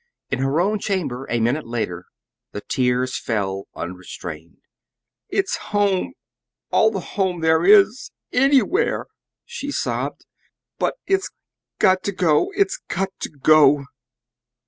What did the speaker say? In her own chamber a minute later the tears fell unrestrained. "It's home all the home there is anywhere!" she sobbed. "But it's got to go it's got to go!"